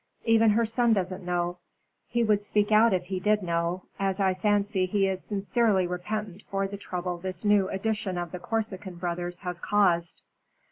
Even her son doesn't know. He would speak out if he did know, as I fancy he is sincerely repentant for the trouble this new edition of the Corsican Brothers has caused."